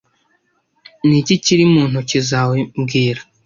Ni iki kiri mu ntoki zawe mbwira (